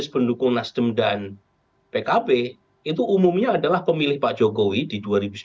pendukung nasdem dan pkb itu umumnya adalah pemilih pak jokowi di dua ribu sembilan belas